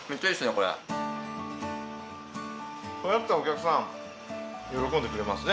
これだったらお客さん喜んでくれますね。